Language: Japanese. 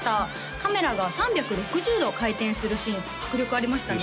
カメラが３６０度回転するシーン迫力ありましたね